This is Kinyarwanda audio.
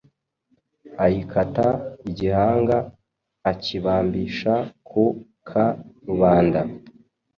ayikata igihanga akibambisha ku ka rubanda